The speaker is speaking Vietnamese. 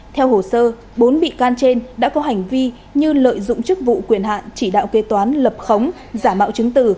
theo hồ sơ bốn bị can trên đã có hành vi như lợi dụng chức vụ quyền hạn chỉ đạo kê toán lập khống giả mạo chứng tử